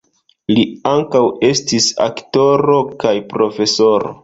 Li ankaŭ estis aktoro kaj profesoro.